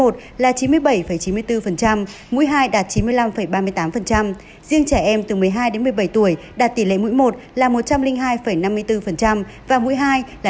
đến nay an giang đã tiêm vaccine cho người từ đủ một mươi tám tuổi trở lên mũi một là chín mươi bảy chín mươi bốn mũi hai đạt chín mươi năm ba mươi tám riêng trẻ em từ một mươi hai đến một mươi bảy tuổi đạt tỷ lệ mũi một là một trăm linh hai năm mươi bốn và mũi hai là năm mươi sáu bốn mươi bảy